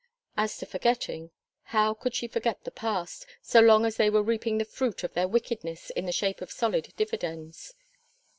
As to forgetting how could she forget the past, so long as they were reaping the fruit of their wickedness in the shape of solid dividends?